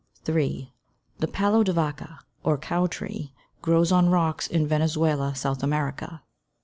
3. The palo de vaca, or "cow tree," grows on rocks in Venezuela, South America.